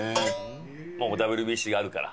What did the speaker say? ＷＢＣがあるから。